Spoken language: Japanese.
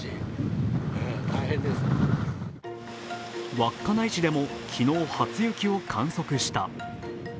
稚内市でも昨日、初雪を観測した。